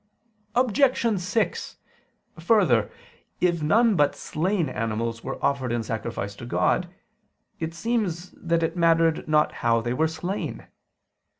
Obj. 6: Further, if none but slain animals were offered in sacrifice to God, it seems that it mattered not how they were slain.